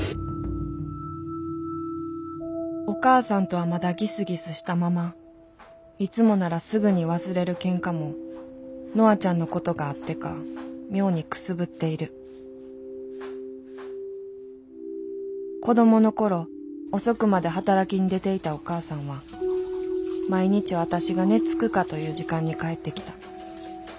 お母さんとはまだギスギスしたままいつもならすぐに忘れるけんかもノアちゃんのことがあってか妙にくすぶっている子どもの頃遅くまで働きに出ていたお母さんは毎日私が寝つくかという時間に帰ってきた。